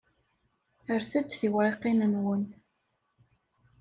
Rret-d tiwriqin-nwen.